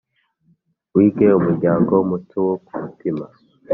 wige umuryango muto wo kumutima.